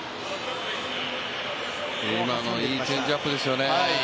今の、いいチェンジアップですよね。